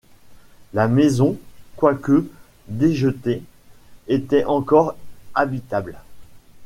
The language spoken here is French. La maison, quoique déjetée, était encore habitable.